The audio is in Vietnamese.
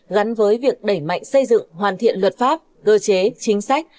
gắn với việc đẩy mạnh xây dựng hoàn thiện luật pháp cơ chế chính sách